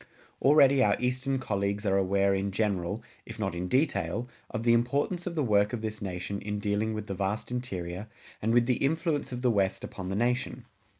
Already our Eastern colleagues are aware in general, if not in detail, of the importance of the work of this nation in dealing with the vast interior, and with the influence of the West upon the nation.